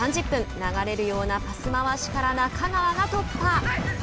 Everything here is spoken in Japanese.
流れるようなパス回しから仲川が突破。